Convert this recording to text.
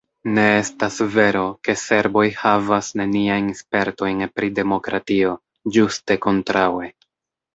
Ne estas vero, ke serboj havas neniajn spertojn pri demokratio, ĝuste kontraŭe.